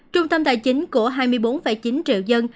trung tâm tài chính của hai mươi bốn chín triệu dân